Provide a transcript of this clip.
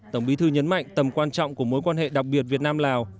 tổng bí thư nhấn mạnh tầm quan trọng của mối quan hệ đặc biệt việt nam lào